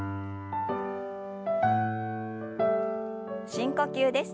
深呼吸です。